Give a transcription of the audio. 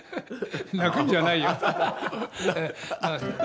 泣くんじゃないよ。